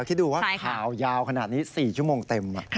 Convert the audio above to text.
คิดดูว่าข่าวยาวขนาดนี้๔ชั่วโมงเต็ม